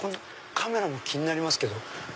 カメラも気になりますけど。